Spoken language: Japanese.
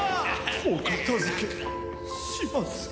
お片付けします。